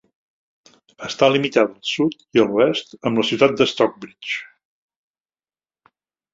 Està limitada al sud i a l'oest amb la ciutat de Stockbridge.